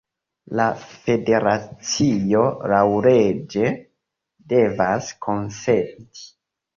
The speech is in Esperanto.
La Federacio laŭleĝe devas konsenti.